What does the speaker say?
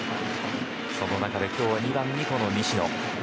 その中で今日は２番に、この西野。